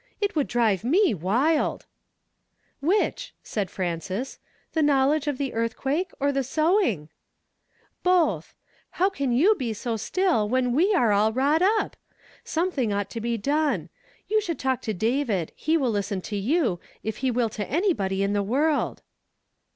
It would dnve me wildl" "Which?" asked Frances; "the knowledge of the earthquake, or the sewing ?" "Both How can you be so still when we are YnnT u'/f ^'"^^^'""^«"^^« be done. You should talk to Duvid ; he will listen to you, if he will to anybody in the world."